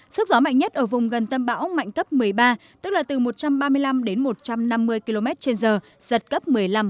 sức gió mạnh nhất ở vùng gần tâm bão mạnh cấp một mươi ba tức là từ một trăm ba mươi năm đến một trăm năm mươi km trên giờ giật cấp một mươi năm